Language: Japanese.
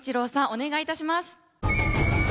お願いいたします。